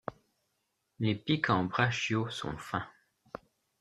Les piquants brachiaux sont fins.